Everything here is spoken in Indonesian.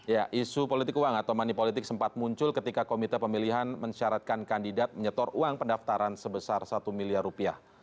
ya isu politik uang atau manipolitik sempat muncul ketika komite pemilihan mensyaratkan kandidat menyetor uang pendaftaran sebesar satu miliar rupiah